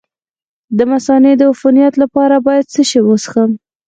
د مثانې د عفونت لپاره باید څه شی وڅښم؟